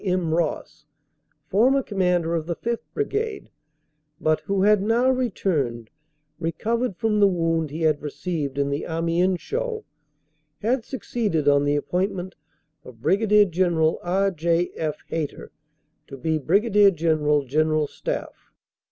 M. Ross, former Commander of the 5th. Brigade but who had now returned recovered from the wound he had received in the Amiens show, had succeeded on the appointment of Brig. General R. J. F. Hayter to be Brigadier General, General Staff.